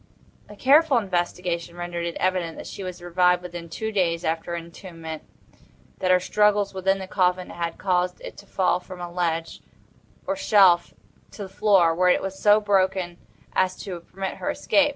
A careful investigation rendered it evident that she had revived within two days after her entombment; that her struggles within the coffin had caused it to fall from a ledge, or shelf to the floor, where it was so broken as to permit her escape.